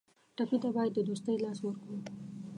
ټپي ته باید د دوستۍ لاس ورکړو.